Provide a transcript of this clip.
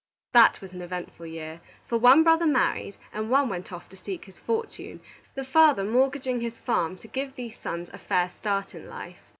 That was an eventful year; for one brother married, and one went off to seek his fortune, the father mortgaging his farm to give these sons a fair start in life.